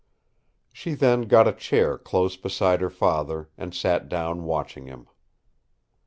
She then got a chair close beside her father, and sat down watching him.